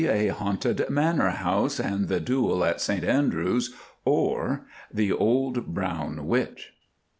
A Haunted Manor House and the Duel at St Andrews; OR, The Old Brown Witch.